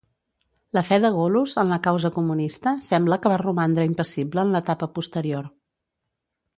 La fe de Golos en la causa comunista sembla que va romandre impassible en l'etapa posterior.